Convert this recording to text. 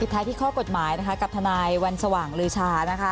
ผิดท้ายที่ข้อกฎหมายนะคะกับธนายวันชมังรืชานะคะ